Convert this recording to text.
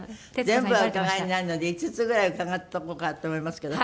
全部は伺えないので５つぐらい伺っておこうかと思いますけど。